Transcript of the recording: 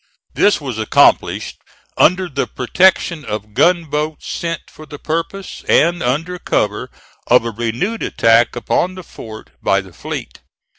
This was accomplished under the protection of gunboats sent for the purpose, and under cover of a renewed attack upon the fort by the fleet.